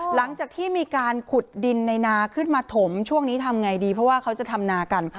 หลังจากที่มีการขุดดินในนาขึ้นมาถมช่วงนี้ทำไงดีเพราะว่าเขาจะทำนากัน